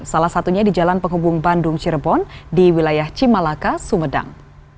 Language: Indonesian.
salah satunya di jalan penghubung bandung cirebon di wilayah cimalaka sumedang